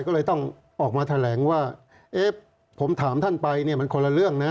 ก็เลยต้องออกมาแถลงว่าเอ๊ะผมถามท่านไปเนี่ยมันคนละเรื่องนะ